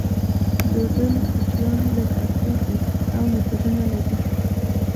د اردن کوچیان لږ عصري دي او موټرونه لري.